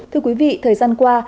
thưa quý vị thời gian qua